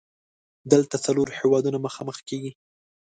دلته څلور هیوادونه مخامخ کیږي.